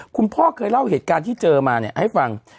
คุณพ่อเคยเล่าเหตุการณ์ที่เจอมาเนี่ยให้ฟัง